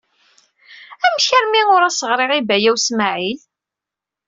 Amek armi ur as-ɣriɣ i Baya U Smaɛil?